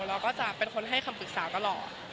เราก็จะเป็นคนให้คำปรึกษาตลอด